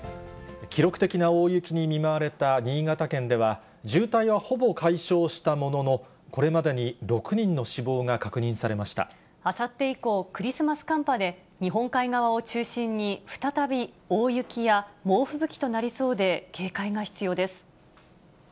記録的な大雪に見舞われた新潟県では、渋滞はほぼ解消したものの、これまでに６人の死亡が確認されあさって以降、クリスマス寒波で、日本海側を中心に、再び大雪や猛吹雪となりそうで、警戒が必要です。